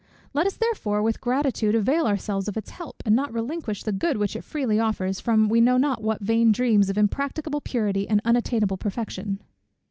Let us therefore with gratitude avail ourselves of its help, and not relinquish the good which it freely offers, from we know not what vain dreams of impracticable purity and unattainable perfection."